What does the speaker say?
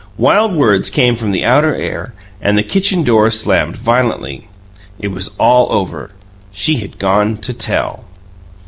Wild words came from the outer air, and the kitchen door slammed violently. It was all over. She had gone to "tell".